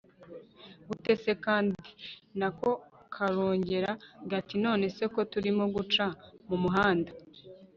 gute se kandi! nako karongera gati nonese ko turimo guca mumuhanda